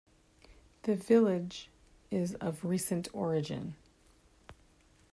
The village is of recent origin.